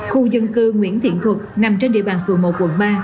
khu dân cư nguyễn thiện thuật nằm trên địa bàn phường một quận ba